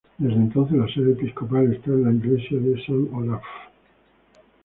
Desde entonces la sede episcopal está en la iglesia de San Olaf.